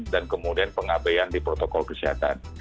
dan kemudian pengabeyan di protokol kesehatan